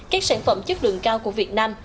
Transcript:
các sản phẩm chất lượng cao của việt nam